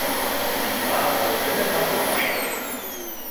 Die Paarung findet am Ufer statt.